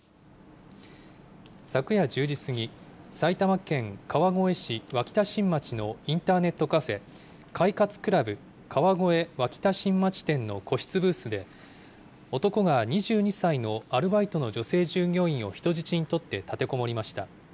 昨夜１０時過ぎ、埼玉県川越市脇田新町のインターネットカフェ、快活ＣＬＵＢ川越脇田新町店の個室ブースで、男が２２歳のアルバイトの女性従業員を人質に取って立てこもりました。